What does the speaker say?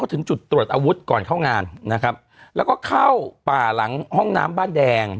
ถึงจุดตรวจอาวุธก่อนเข้างานนะครับแล้วก็เข้าป่าหลังห้องน้ำบ้านแดง